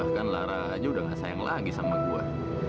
bahkan lara aja udah gak sayang lagi sama gua